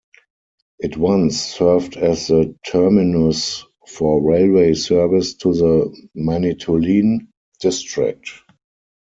It once served as the terminus for railway service to the Manitoulin District.